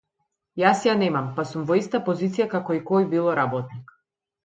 Јас ја немам, па сум во иста позиција како и кој било работник.